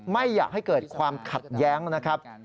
ไม่อยากให้เกิดความขัดแย้งนะครับ